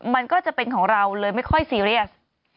มันก็จะเป็นของเราเลยไม่ค่อยซีเรียส